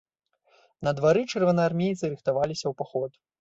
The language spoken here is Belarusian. На двары чырвонаармейцы рыхтаваліся ў паход.